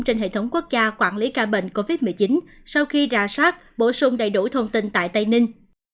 trên hệ thống quốc gia quản lý ca bệnh covid một mươi chín sau khi ra soát bổ sung đầy đủ thông tin tại tây ninh